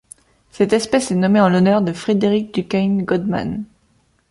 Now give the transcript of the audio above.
Cette espèce est nommée en l'honneur de Frederick DuCane Godman.